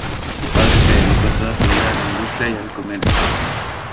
Su padre se dedicó toda su vida a la industria y al comercio.